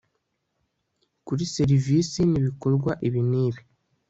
kuri serivisi n ibikorwa ibi n ibi